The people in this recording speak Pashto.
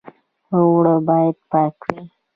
اوړه باید پاک وي